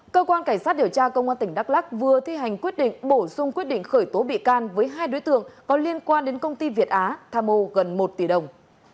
cơ quan cảnh sát điều tra công an tỉnh đắk lắc vừa thi hành quyết định bổ sung quyết định khởi tố bị can với hai đối tượng có liên quan đến công ty việt á tham mô gần một tỷ đồng